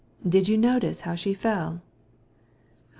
"Did you notice how she fell down?..."